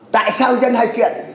tại sao dân hay kiện